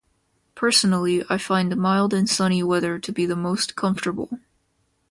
Personally, I find mild and sunny weather to be the most comfortable.